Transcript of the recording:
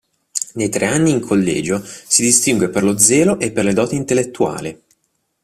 Nei tre anni in collegio si distinse per lo zelo e le doti intellettuali.